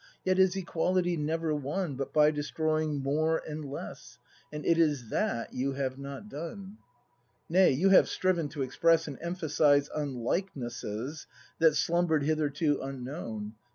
Yet is Equality never won But by destroying More and Less,— And it is that you have not done! Nay, you have striven to express And emphasise unlikenesses That slumber'd hitherto unknown.